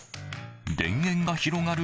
田園が広がる